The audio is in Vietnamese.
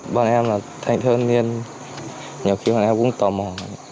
bọn em là thành thơ niên nhiều khi mà em cũng tò mò